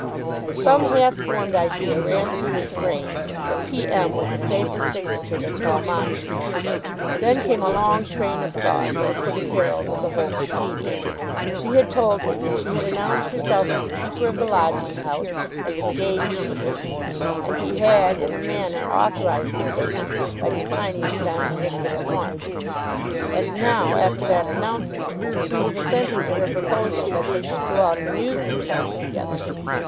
Some half formed idea ran through his brain that P. M. was a safer signature than Paul Montague. Then came a long train of thoughts as to the perils of the whole proceeding. She had told him that she had announced herself to the keeper of the lodging house as engaged to him, and he had in a manner authorised the statement by declining to contradict it at once. And now, after that announcement, he was assenting to her proposal that they should go out and amuse themselves together.